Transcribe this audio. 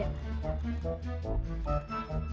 astri mau apa tuh